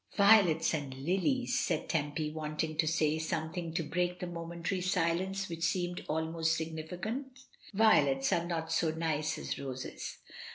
"Violets and lilies," said Tempy, wanting to say something to break the momentary silence, which seemed almost significant; "violets are not so nice as roses."